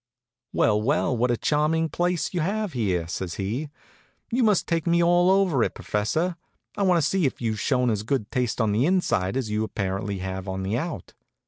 "Well, well, what a charming place you have here!" says he. "You must take me all over it, professor. I want to see if you've shown as good taste on the inside as you apparently have on the out."